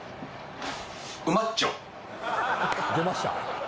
出ました！